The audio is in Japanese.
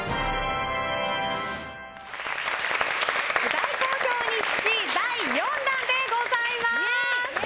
大好評につき第４弾でございます。